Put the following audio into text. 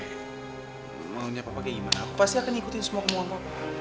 kamu main aja deh mau nyapa pake gimana aku pasti akan ikutin semua kamu papa